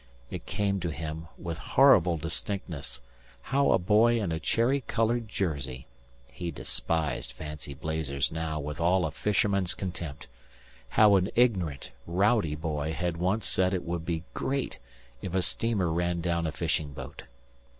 It came to him, with horrible distinctness, how a boy in a cherry coloured jersey he despised fancy blazers now with all a fisher man's contempt how an ignorant, rowdy boy had once said it would be "great" if a steamer ran down a fishing boat.